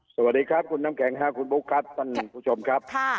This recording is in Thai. สวัสดีครับคุณน้ำแกงฮะคุณบุคัทสวัสดีค่ะคุณผู้ชมครับ